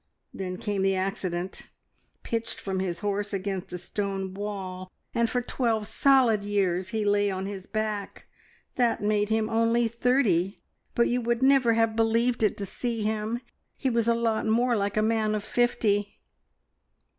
Then came the accident pitched from his horse against a stone wall and for twelve solid years he lay on his back. That made him only thirty, but you would never have believed it to see him. He was a lot more like a man of fifty."